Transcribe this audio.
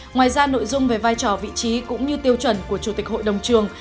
ngoài ra nội dung về vai trò vị trí cũng như tiêu chuẩn của chủ tịch hội đồng trường